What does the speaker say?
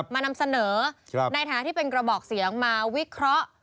นำเสนอในฐานะที่เป็นกระบอกเสียงมาวิเคราะห์